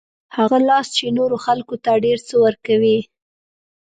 هغه لاس چې نورو خلکو ته ډېر څه ورکوي.